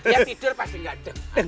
ya tidur pasti gak dem